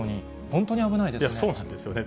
本当に危ないですよね。